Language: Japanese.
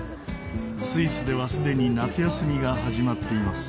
スイスではすでに夏休みが始まっています。